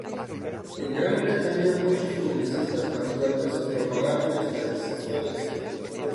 En Gran Bretaña, muchos publicistas patriotas propagaron estas historias por su propia voluntad.